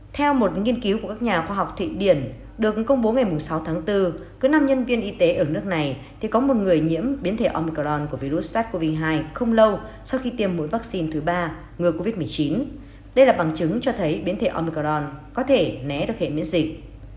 theo một nghiên cứu của các nhà khoa học thụy điển được công bố ngày sáu tháng bốn cứ năm nhân viên y tế ở nước này thì có một người nhiễm biến thể omcron của virus sars cov hai không lâu sau khi tiêm mũi vaccine thứ ba ngừa covid một mươi chín đây là bằng chứng cho thấy biến thể oncron có thể né được hệ miễn dịch